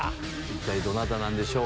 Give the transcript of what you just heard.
どなたなんでしょう？